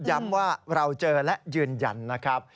ย้ำว่าเราเจอและยืนยันนะครับ